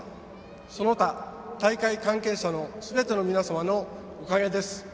その他、大会関係者のすべての皆様のおかげです。